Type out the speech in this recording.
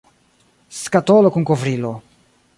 Skatolo kun kovrilo.